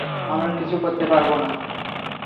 আমরা কিছু করতে পারবোনা।